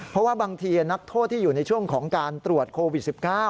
เพราะว่าบางทีนักโทษที่อยู่ในช่วงของการตรวจโควิด๑๙